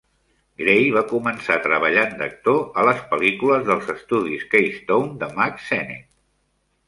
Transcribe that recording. Grey va començar treballant d'actor a les pel·lícules dels estudis Keystone de Mack Sennett.